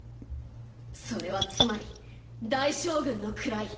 それはつまり大将軍の位！